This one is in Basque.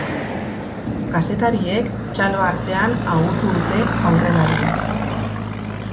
Kazetariek txalo artean agurtu dute aurrelaria.